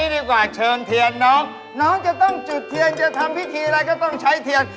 เราจะทำพิธีอะไรก็ต้องใช้เทียน